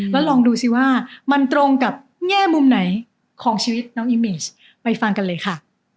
แล้วลองดูสิว่ามันตรงกับแง่มุมไหนของชีวิตน้องอิมิชไปฟังกันเลยค่ะ